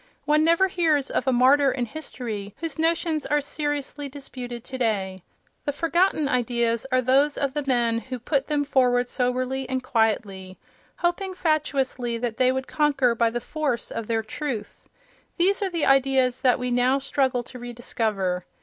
One never hears of a martyr in history whose notions are seriously disputed today. The forgotten ideas are those of the men who put them forward soberly and quietly, hoping fatuously that they would conquer by the force of their truth; these are the ideas that we now struggle to rediscover.